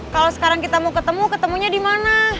kalau sekarang kita mau ketemu ketemunya dimana